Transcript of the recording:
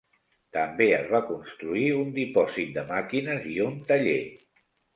També es va construir un dipòsit de màquines i un taller.